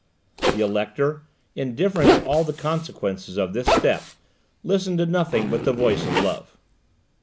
The elector, indifferent to all the consequences of this step, listened to nothing but the voice of love.